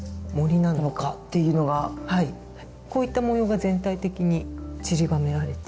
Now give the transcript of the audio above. こういった模様が全体的にちりばめられています。